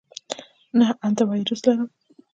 نه، انټی وایرس لرم